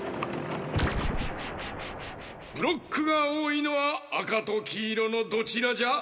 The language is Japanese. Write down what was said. ブロックがおおいのはあかときいろのどちらじゃ？